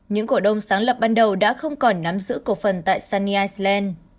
những cổ đông sáng lập ban đầu đã không còn nắm giữ cổ phần tại sunny island